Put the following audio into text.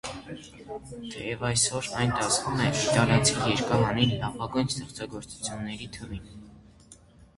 Թեև այսօր այն դասվում է իտալացի երգահանի լավագույն ստեղծագործությունների թվին։